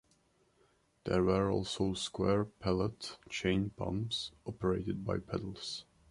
There were also square-pallet chain pumps operated by pedals.